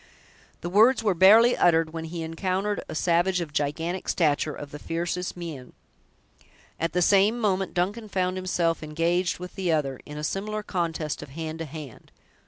The words were barely uttered, when he encountered a savage of gigantic stature, of the fiercest mien. At the same moment, Duncan found himself engaged with the other, in a similar contest of hand to hand.